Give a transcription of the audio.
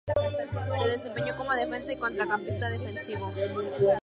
Se desempeñó como defensa y centrocampista defensivo.